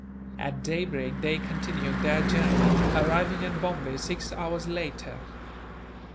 At daybreak they continued their journey, arriving at Bombay six hours later.